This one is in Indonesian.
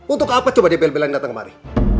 untuk apa coba dia bel belan datang kemari